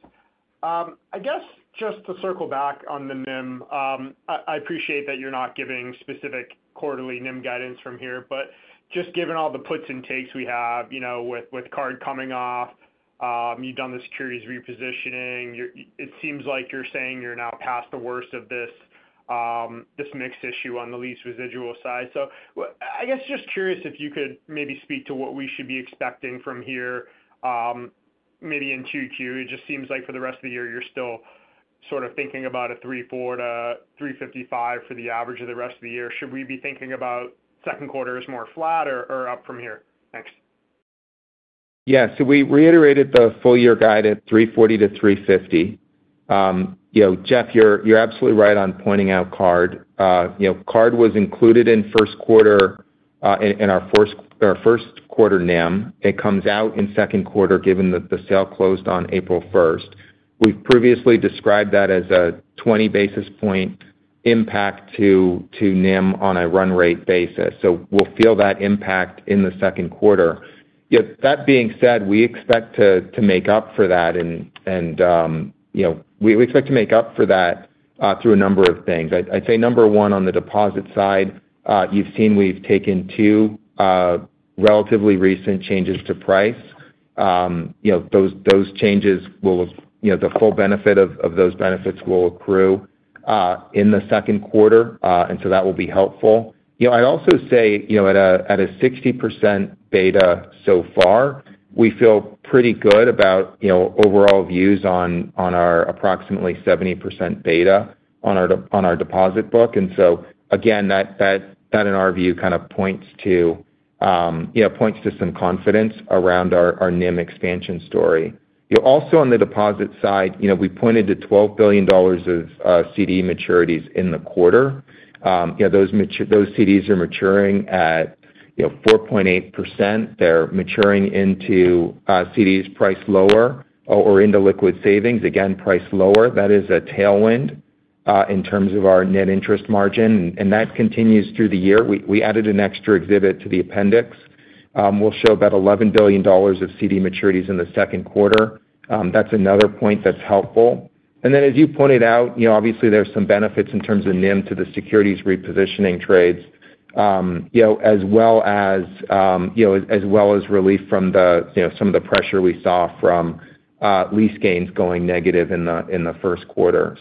I guess just to circle back on the NIM, I appreciate that you're not giving specific quarterly NIM guidance from here. Just given all the puts and takes we have with card coming off, you've done the securities repositioning, it seems like you're saying you're now past the worst of this mix issue on the lease residual side. I guess just curious if you could maybe speak to what we should be expecting from here, maybe in Q2. It just seems like for the rest of the year, you're still sort of thinking about a 3.4-3.55 for the average of the rest of the year. Should we be thinking about second quarter as more flat or up from here? Thanks. Yeah. We reiterated the full year guide at 3.40-3.50. Jeff, you're absolutely right on pointing out card. Card was included in first quarter in our first quarter NIM. It comes out in second quarter given that the sale closed on April 1. We've previously described that as a 20 basis point impact to NIM on a run rate basis. We will feel that impact in the second quarter. That being said, we expect to make up for that. We expect to make up for that through a number of things. I'd say number one on the deposit side, you've seen we've taken two relatively recent changes to price. Those changes will, the full benefit of those benefits will accrue in the second quarter. That will be helpful. I'd also say at a 60% beta so far, we feel pretty good about overall views on our approximately 70% beta on our deposit book. That, in our view, kind of points to some confidence around our NIM expansion story. Also on the deposit side, we pointed to $12 billion of CD maturities in the quarter. Those CDs are maturing at 4.8%. They're maturing into CDs priced lower or into liquid savings, again, priced lower. That is a tailwind in terms of our net interest margin. That continues through the year. We added an extra exhibit to the appendix. We'll show about $11 billion of CD maturities in the second quarter. That's another point that's helpful. As you pointed out, obviously, there are some benefits in terms of NIM to the securities repositioning trades, as well as relief from some of the pressure we saw from lease gains going negative in the first quarter.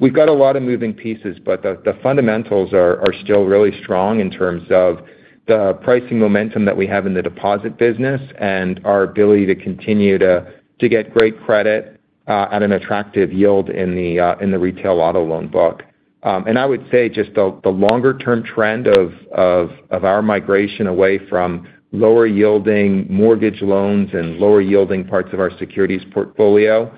We have a lot of moving pieces, but the fundamentals are still really strong in terms of the pricing momentum that we have in the deposit business and our ability to continue to get great credit at an attractive yield in the retail auto loan book. I would say just the longer-term trend of our migration away from lower-yielding mortgage loans and lower-yielding parts of our securities portfolio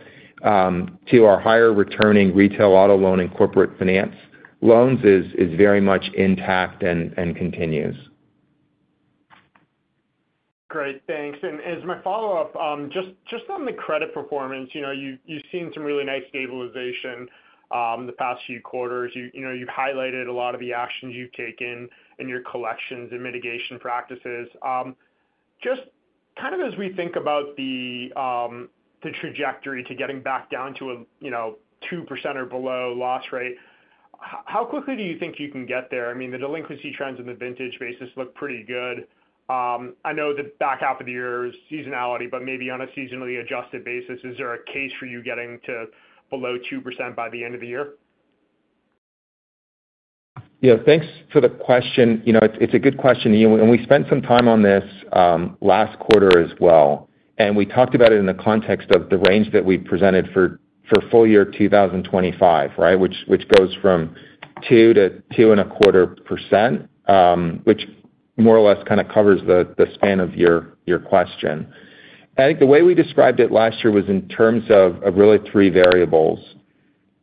to our higher-returning retail auto loan and corporate finance loans is very much intact and continues. Great. Thanks. As my follow-up, just on the credit performance, you've seen some really nice stabilization the past few quarters. You've highlighted a lot of the actions you've taken in your collections and mitigation practices. Just kind of as we think about the trajectory to getting back down to a 2% or below loss rate, how quickly do you think you can get there? I mean, the delinquency trends in the vintage basis look pretty good. I know that back half of the year is seasonality, but maybe on a seasonally adjusted basis, is there a case for you getting to below 2% by the end of the year? Yeah. Thanks for the question. It's a good question. We spent some time on this last quarter as well. We talked about it in the context of the range that we presented for full year 2025, right, which goes from 2-2.25%, which more or less kind of covers the span of your question. I think the way we described it last year was in terms of really three variables: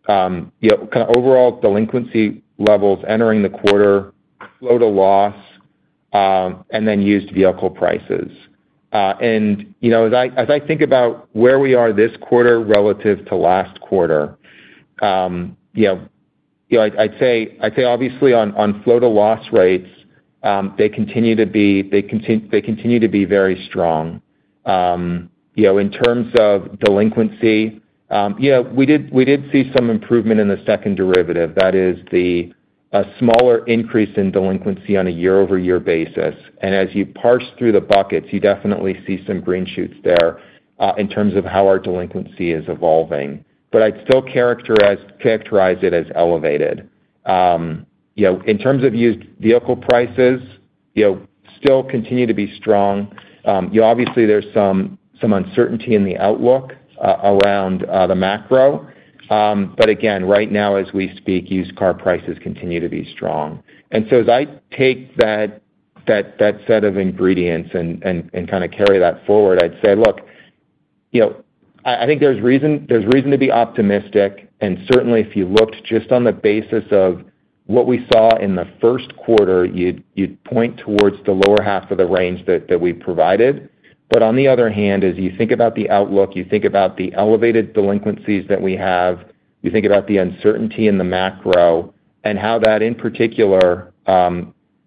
kind of overall delinquency levels, entering the quarter, flow to loss, and then used vehicle prices. As I think about where we are this quarter relative to last quarter, I'd say obviously on flow to loss rates, they continue to be very strong. In terms of delinquency, we did see some improvement in the second derivative. That is the smaller increase in delinquency on a year-over-year basis. As you parse through the buckets, you definitely see some green shoots there in terms of how our delinquency is evolving. I'd still characterize it as elevated. In terms of used vehicle prices, they still continue to be strong. Obviously, there's some uncertainty in the outlook around the macro. Right now, as we speak, used car prices continue to be strong. As I take that set of ingredients and kind of carry that forward, I'd say, "Look, I think there's reason to be optimistic." Certainly, if you looked just on the basis of what we saw in the first quarter, you'd point towards the lower half of the range that we provided. On the other hand, as you think about the outlook, you think about the elevated delinquencies that we have, you think about the uncertainty in the macro, and how that in particular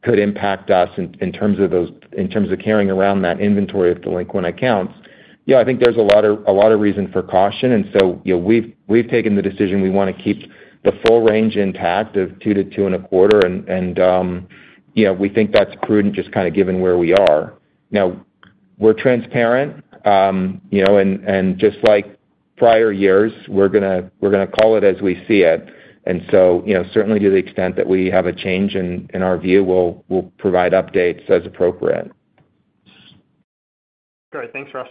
could impact us in terms of carrying around that inventory of delinquent accounts, I think there's a lot of reason for caution. We have taken the decision we want to keep the full range intact of 2-2.25. We think that's prudent just kind of given where we are. Now, we're transparent. Just like prior years, we're going to call it as we see it. Certainly, to the extent that we have a change in our view, we'll provide updates as appropriate. Great. Thanks, Russ.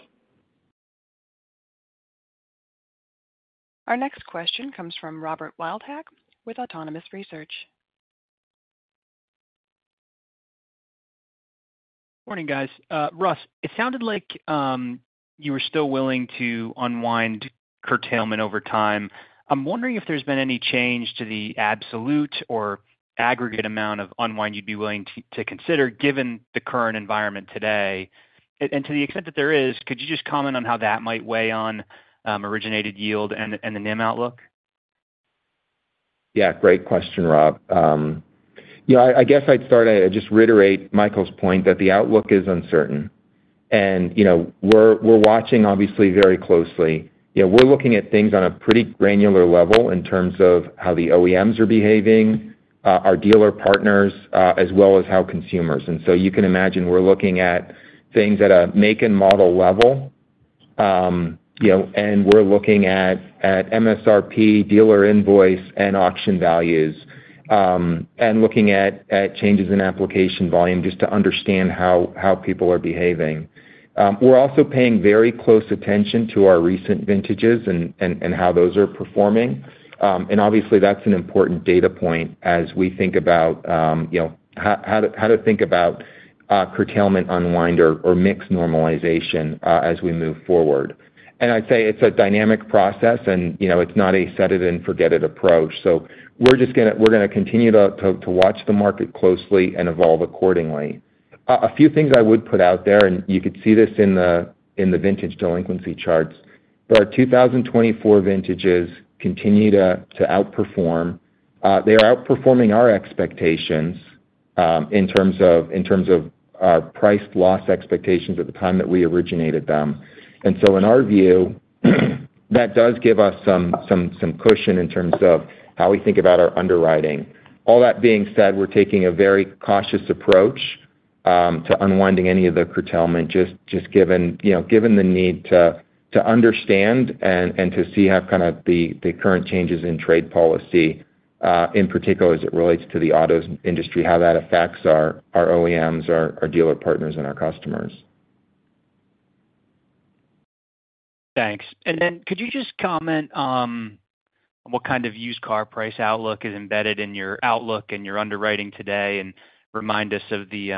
Our next question comes from Robert Wildhack with Autonomous Research. Morning, guys. Russ, it sounded like you were still willing to unwind curtailment over time. I'm wondering if there's been any change to the absolute or aggregate amount of unwind you'd be willing to consider given the current environment today. To the extent that there is, could you just comment on how that might weigh on originated yield and the NIM outlook? Yeah. Great question, Rob. I guess I'd start by just reiterating Michael's point that the outlook is uncertain. We're watching, obviously, very closely. We're looking at things on a pretty granular level in terms of how the OEMs are behaving, our dealer partners, as well as how consumers. You can imagine we're looking at things at a make and model level. We're looking at MSRP, dealer invoice, and auction values, and looking at changes in application volume just to understand how people are behaving. We're also paying very close attention to our recent vintages and how those are performing. Obviously, that's an important data point as we think about how to think about curtailment unwind or mix normalization as we move forward. I'd say it's a dynamic process, and it's not a set-it-and-forget-it approach. We're going to continue to watch the market closely and evolve accordingly. A few things I would put out there, and you could see this in the vintage delinquency charts. Our 2024 vintages continue to outperform. They are outperforming our expectations in terms of our priced loss expectations at the time that we originated them. In our view, that does give us some cushion in terms of how we think about our underwriting. All that being said, we're taking a very cautious approach to unwinding any of the curtailment just given the need to understand and to see how kind of the current changes in trade policy, in particular as it relates to the auto industry, how that affects our OEMs, our dealer partners, and our customers. Thanks. Could you just comment on what kind of used car price outlook is embedded in your outlook and your underwriting today and remind us of the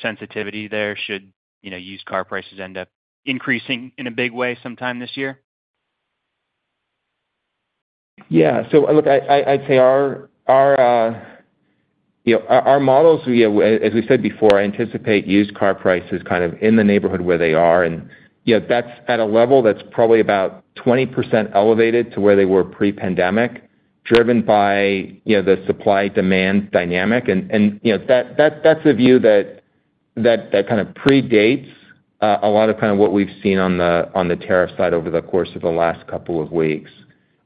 sensitivity there should used car prices end up increasing in a big way sometime this year? Yeah. I'd say our models, as we said before, anticipate used car prices kind of in the neighborhood where they are. That's at a level that's probably about 20% elevated to where they were pre-pandemic driven by the supply-demand dynamic. That is a view that kind of predates a lot of what we have seen on the tariff side over the course of the last couple of weeks.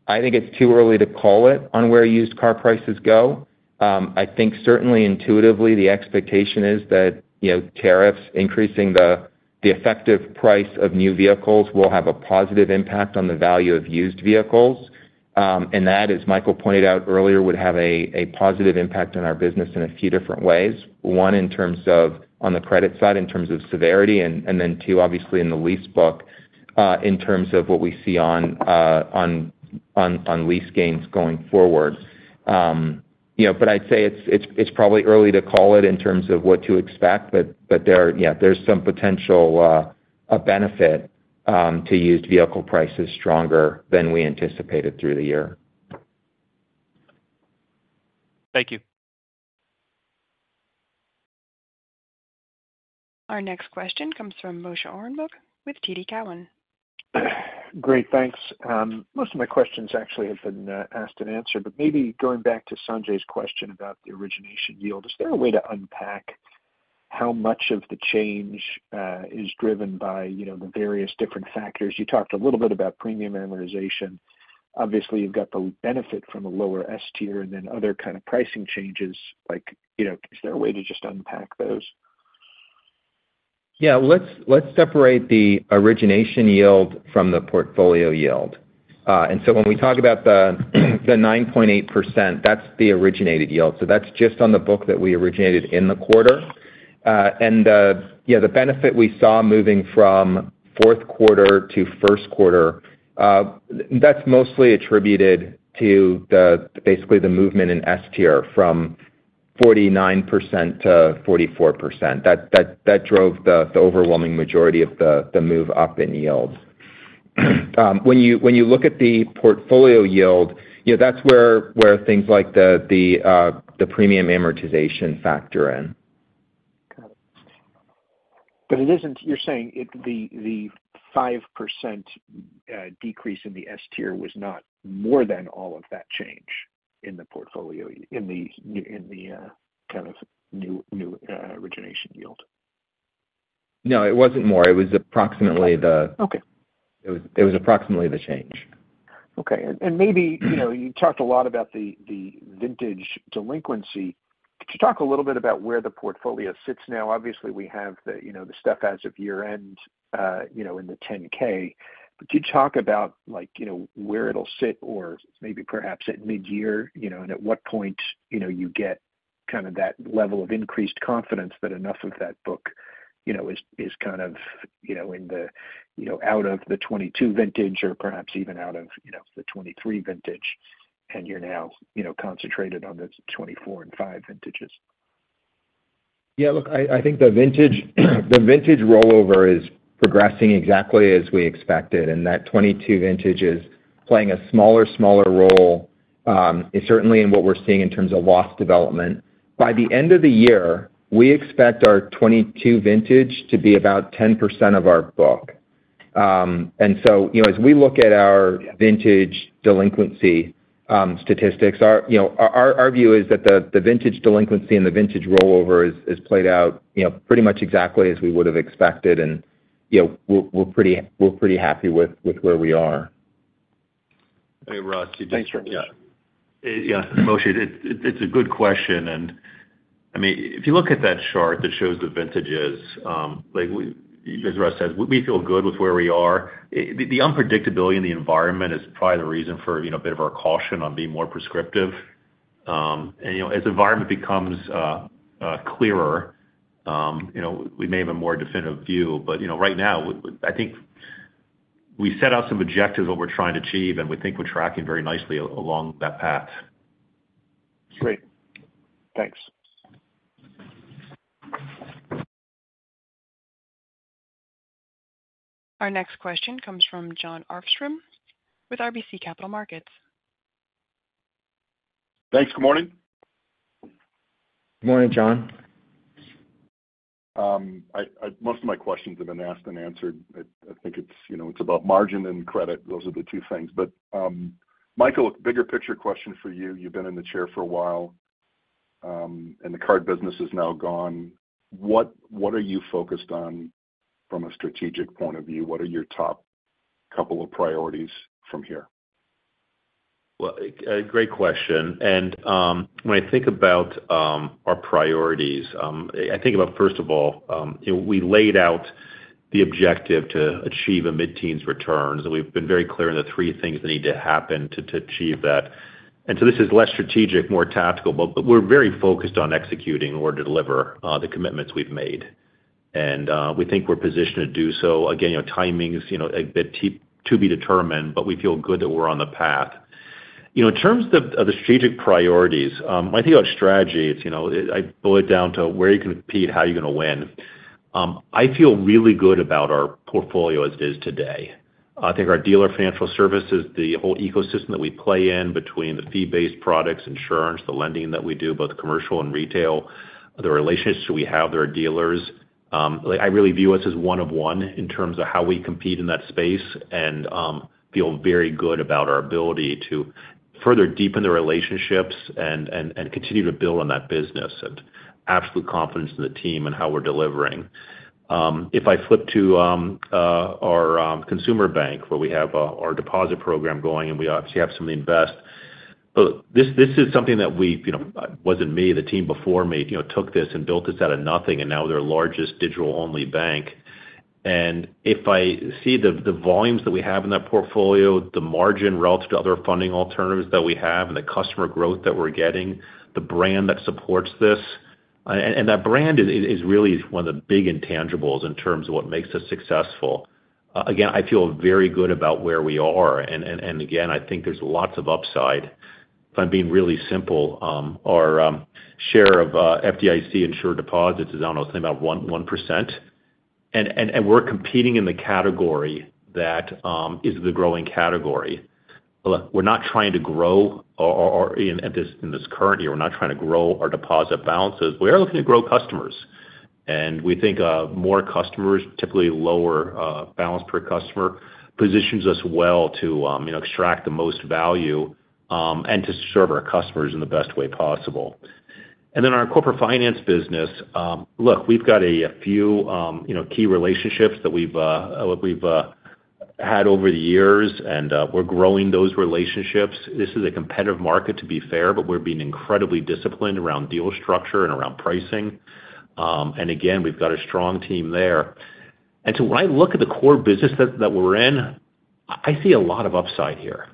I think it is too early to call it on where used car prices go. I think certainly intuitively, the expectation is that tariffs increasing the effective price of new vehicles will have a positive impact on the value of used vehicles. That, as Michael pointed out earlier, would have a positive impact on our business in a few different ways. One in terms of on the credit side in terms of severity, and then two, obviously, in the lease book in terms of what we see on lease gains going forward. I would say it is probably early to call it in terms of what to expect. Yeah, there's some potential benefit to used vehicle prices stronger than we anticipated through the year. Thank you. Our next question comes from Moshe Orenberg with TD Cowen. Great. Thanks. Most of my questions actually have been asked and answered. Maybe going back to Sanjay's question about the origination yield, is there a way to unpack how much of the change is driven by the various different factors? You talked a little bit about premium amortization. Obviously, you've got the benefit from a lower S-tier and then other kind of pricing changes. Is there a way to just unpack those? Yeah. Let's separate the origination yield from the portfolio yield. When we talk about the 9.8%, that's the originated yield. That's just on the book that we originated in the quarter. The benefit we saw moving from fourth quarter to first quarter, that's mostly attributed to basically the movement in S-tier from 49% to 44%. That drove the overwhelming majority of the move up in yield. When you look at the portfolio yield, that's where things like the premium amortization factor in. Got it. You're saying the 5% decrease in the S-tier was not more than all of that change in the portfolio in the kind of new origination yield? No, it wasn't more. It was approximately the change. Okay. It was approximately the change. Okay. Maybe you talked a lot about the vintage delinquency. Could you talk a little bit about where the portfolio sits now? Obviously, we have the stuff as of year-end in the 10-K. Could you talk about where it'll sit or maybe perhaps at mid-year and at what point you get kind of that level of increased confidence that enough of that book is kind of out of the 2022 vintage or perhaps even out of the 2023 vintage, and you're now concentrated on the 2024 and 2025 vintages? Yeah. Look, I think the vintage rollover is progressing exactly as we expected. That 2022 vintage is playing a smaller, smaller role certainly in what we're seeing in terms of loss development. By the end of the year, we expect our 2022 vintage to be about 10% of our book. As we look at our vintage delinquency statistics, our view is that the vintage delinquency and the vintage rollover has played out pretty much exactly as we would have expected. We're pretty happy with where we are. Hey, Russ, you just. Thanks for. Yeah. Moshe, it's a good question. I mean, if you look at that chart that shows the vintages, as Russ says, we feel good with where we are. The unpredictability in the environment is probably the reason for a bit of our caution on being more prescriptive. As the environment becomes clearer, we may have a more definitive view. Right now, I think we set out some objectives of what we're trying to achieve, and we think we're tracking very nicely along that path. Great. Thanks. Our next question comes from Jon Arfstrom with RBC Capital Markets. Thanks. Good morning. Good morning, John. Most of my questions have been asked and answered. I think it's about margin and credit. Those are the two things. Michael, a bigger picture question for you. You've been in the chair for a while, and the card business is now gone. What are you focused on from a strategic point of view? What are your top couple of priorities from here? Great question. When I think about our priorities, I think about, first of all, we laid out the objective to achieve a mid-teens return. We have been very clear on the three things that need to happen to achieve that. This is less strategic, more tactical. We are very focused on executing to deliver the commitments we have made. We think we are positioned to do so. Timing is a bit to be determined, but we feel good that we are on the path. In terms of the strategic priorities, when I think about strategy, I boil it down to where you can compete, how you are going to win. I feel really good about our portfolio as it is today. I think our dealer financial services, the whole ecosystem that we play in between the fee-based products, insurance, the lending that we do, both commercial and retail, the relationships we have with our dealers, I really view us as one of one in terms of how we compete in that space and feel very good about our ability to further deepen the relationships and continue to build on that business and absolute confidence in the team and how we're delivering. If I flip to our consumer bank, where we have our deposit program going, and we obviously have some invest. This is something that was not me. The team before me took this and built this out of nothing, and now they're the largest digital-only bank. If I see the volumes that we have in that portfolio, the margin relative to other funding alternatives that we have, and the customer growth that we're getting, the brand that supports this. That brand is really one of the big intangibles in terms of what makes us successful. I feel very good about where we are. I think there's lots of upside. If I'm being really simple, our share of FDIC insured deposits is almost about 1%. We're competing in the category that is the growing category. We're not trying to grow in this current year. We're not trying to grow our deposit balances. We are looking to grow customers. We think more customers, typically lower balance per customer, positions us well to extract the most value and to serve our customers in the best way possible. Our corporate finance business, look, we've got a few key relationships that we've had over the years, and we're growing those relationships. This is a competitive market, to be fair, but we're being incredibly disciplined around deal structure and around pricing. Again, we've got a strong team there. When I look at the core business that we're in, I see a lot of upside here.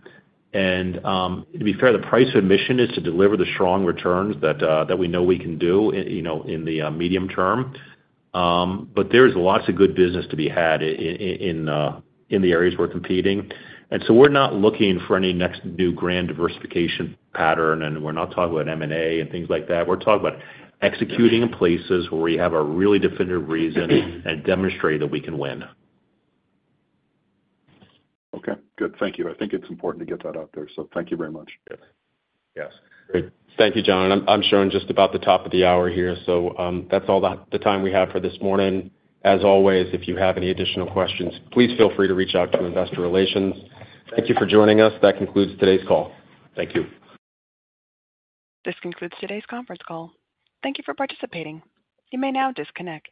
To be fair, the price of admission is to deliver the strong returns that we know we can do in the medium term. There is lots of good business to be had in the areas we're competing. We're not looking for any next new grand diversification pattern, and we're not talking about M&A and things like that. We're talking about executing in places where we have a really definitive reason and demonstrate that we can win. Okay. Good. Thank you. I think it's important to get that out there. Thank you very much. Yes. Great. Thank you, Jon. I'm showing just about the top of the hour here. That's all the time we have for this morning. As always, if you have any additional questions, please feel free to reach out to Investor Relations. Thank you for joining us. That concludes today's call. Thank you. This concludes today's conference call. Thank you for participating. You may now disconnect.